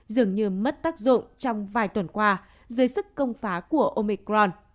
dường như mất tác dụng trong vài tuần qua dưới sức công phá của omicron